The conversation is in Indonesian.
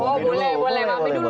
boleh boleh mami dulu